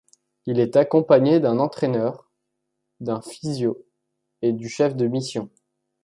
Il est accompagné d'un entraîneur, d'un physio et du chef de mission.